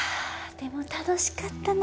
でも楽しかったな。